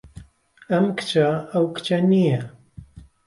ئەم کچە ئەو کچە نییە.